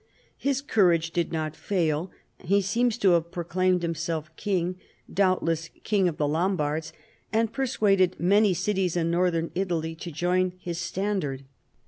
His courage did not fail ; he seems to have proclaimed himself king, doubtless " King of the Lombards," and persuaded many cities in Northern Italy to join his standard.